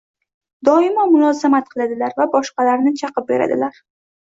doimo mulozamat qiladilar va boshqalarni chaqib beradilar.